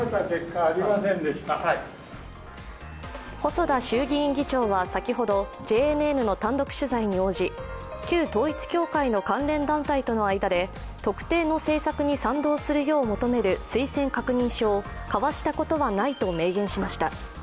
細田衆議院議長は先ほど、ＪＮＮの単独取材に応じ旧統一教会の関連団体との間で特定の政策に賛同するよう求める推薦確認書を交わしたことはないと明言しました。